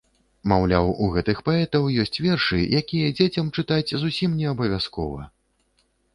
Маўляў, у гэтых паэтаў ёсць вершы, якія дзецям чытаць зусім не абавязкова.